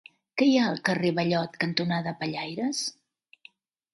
Què hi ha al carrer Ballot cantonada Pellaires?